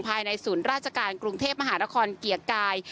ภายในศูนย์ราชการกรุงเทพมหานครเกียรติกาย